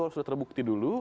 kalau sudah terbukti dulu